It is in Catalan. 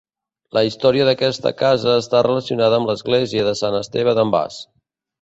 La història d'aquesta casa està relacionada amb l'Església de Sant Esteve d'en Bas.